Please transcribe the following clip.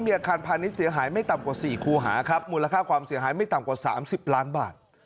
อาคารพาณิชย์เสียหายไม่ต่ำกว่า๔คูหาครับมูลค่าความเสียหายไม่ต่ำกว่า๓๐ล้านบาท